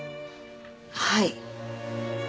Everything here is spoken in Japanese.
はい。